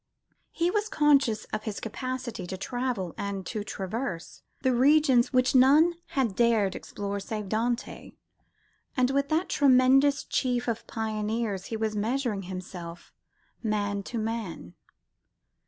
He was conscious of his capacity to travel and to traverse the regions which none had dared explore save Dante. And with that tremendous chief of pioneers he was measuring himself, man to man.